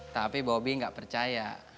tapi bobi gak percaya